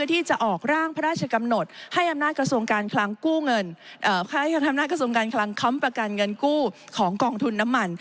ที่จะออกร่างพระราชกำหนดให้อำนาจกระทรวงการคล้ำประกันเงินกู้ของกองทุนน้ำมัน